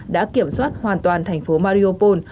đã kiểm soát hoàn toàn thành phố mariupol